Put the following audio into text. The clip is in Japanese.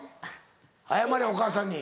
謝れお母さんに。